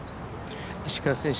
石川選手